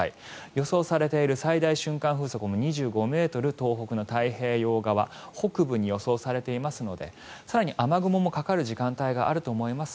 予想されている最大瞬間風速も２５ｍ東北の太平洋側北部に予想されていますので更に雨雲もかかる時間帯があると思います。